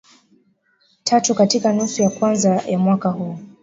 tatu katika nusu ya kwanza ya mwaka huu